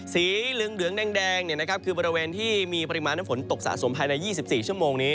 สีเหลืองแดงคือบริเวณที่มีปริมาณน้ำฝนตกสะสมภายใน๒๔ชั่วโมงนี้